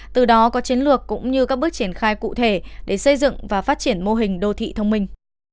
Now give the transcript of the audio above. từ đó có chiến lược cũng như các bước triển khai cụ thể để xây dựng và phát triển mô hình đô thị thông minh